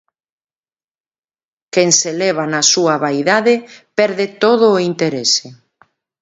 Quen se eleva na súa vaidade perde todo o interese.